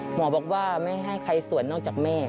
หมอบอกว่าไม่ให้ใครสวดนอกจากแม่